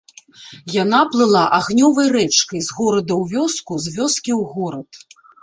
Яна плыла агнёвай рэчкай з горада ў вёску, з вёскі ў горад.